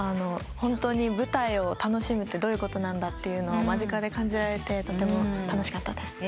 本当に舞台を楽しむってどういうことなんだというのを間近で感じられてとても楽しかったです。